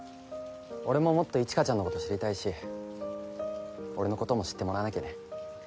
俺ももっと一華ちゃんのこと知りたいし俺のことも知ってもらわなきゃね。